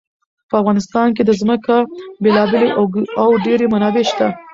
په افغانستان کې د ځمکه بېلابېلې او ډېرې منابع شته.